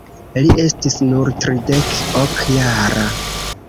Li estis nur tridek-ok jara.